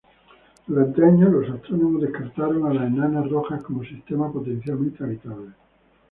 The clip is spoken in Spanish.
Durante años, los astrónomos descartaron a las enanas rojas como sistemas potencialmente habitables.